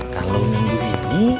kalau minggu ini